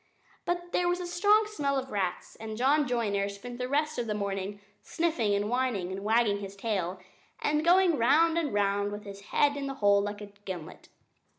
But there was a strong smell of rats; and John Joiner spent the rest of the morning sniffing and whining, and wagging his tail, and going round and round with his head in the hole like a gimlet.